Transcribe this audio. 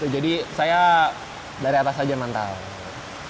jadi saya dari atas saja mantap